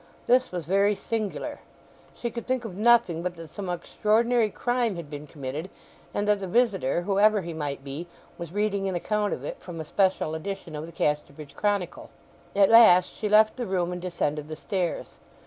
This was very singular. She could think of nothing but that some extraordinary crime had been committed, and that the visitor, whoever he might be, was reading an account of it from a special edition of the Casterbridge Chronicle. At last she left the room, and descended the stairs.